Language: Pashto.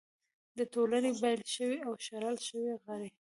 د ټولنې بېل شوي او شړل شوي غړي